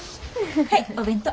はいお弁当。